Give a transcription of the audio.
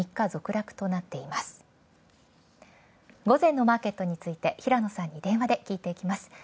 午前のマーケットについて平野さんに電話で聞いていきます。